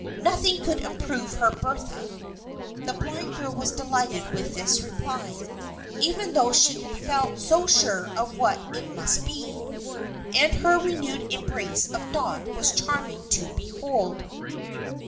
Nothing could improve her, Bertha." The blind girl was delighted with this reply, even though she had felt so sure of what it must be, and her renewed embrace of Dot was charming to behold.